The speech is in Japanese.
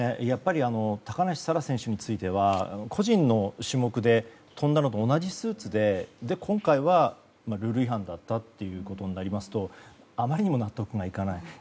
やっぱり高梨沙羅選手については個人の種目で飛んだのと同じスーツで今回はルール違反だったということになりますとあまりにも納得がいかない。